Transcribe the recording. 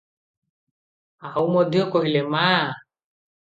ଆଉ ମଧ୍ୟ କହିଲେ- "ମା!